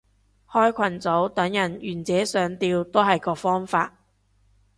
開群組等人願者上釣都係個方法